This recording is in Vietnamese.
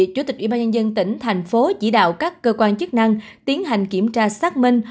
chủ tịch ủy ban nhân dân tỉnh thành phố chỉ đạo các cơ quan chức năng tiến hành kiểm tra xác minh